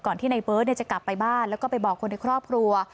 ที่ในเบิร์ตจะกลับไปบ้านแล้วก็ไปบอกคนในครอบครัว